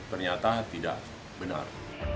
ternyata tidak benar